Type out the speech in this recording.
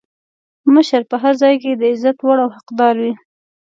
مشر په هر ځای کې د عزت وړ او حقدار وي.